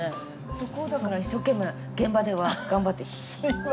そこをだから一生懸命現場では頑張って。